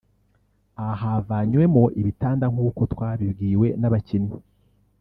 aha havanywemo ibitanda nkuko twabibwiwe n’abakinnyi